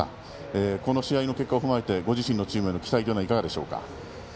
この試合の結果を踏まえてご自身のチームへの期待というのはいかがでしょうか。